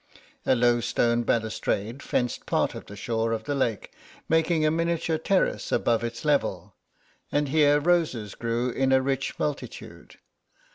A low stone balustrade fenced part of the shore of the lake, making a miniature terrace above its level, and here roses grew in a rich multitude.